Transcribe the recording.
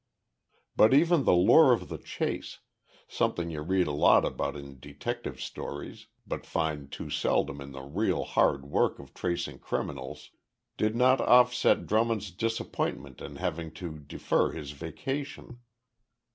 But even the lure of the chase something you read a lot about in detective stories, but find too seldom in the real hard work of tracing criminals did not offset Drummond's disappointment in having to defer his vacation.